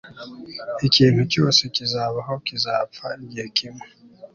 Ikintu cyose kizabaho kizapfa igihe kimwe